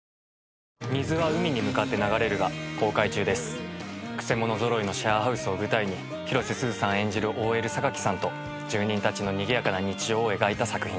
損保ジャパンくせ者揃いのシェアハウスを舞台に広瀬すずさん演じるＯＬ榊さんと住人たちのにぎやかな日常を描いた作品です。